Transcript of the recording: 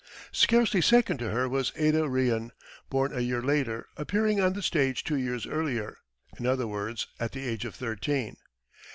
Scarcely second to her was Ada Rehan, born a year later, appearing on the stage two years earlier, in other words, at the age of thirteen.